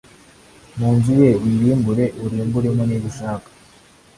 mu nzu ye uyirimbure urimburemo nibyo ushaka